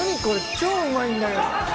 超うまいんだけど！